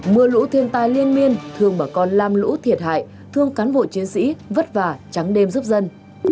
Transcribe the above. mưa lũ thiên tai liên miên thường bà con lam lũ thiệt hại thương cán bộ chiến sĩ vất vả trắng đêm giúp dân